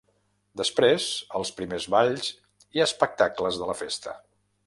Després, els primers balls i espectacles de la festa.